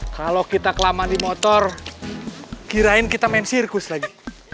kalau kita kelamaan di motor kirain kita main sirkus lagi